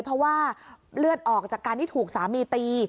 เพราะว่าเลือดออกจากการที่ถูกสามีตี